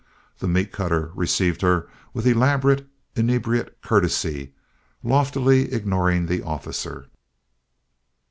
The meat cutter received her with elaborate inebriate courtesy, loftily ignoring the officer.